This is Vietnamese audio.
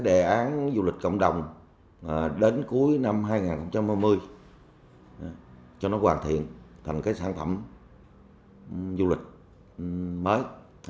đến cuối năm hai nghìn ba mươi cho nó hoàn thiện thành cái sản phẩm du lịch mới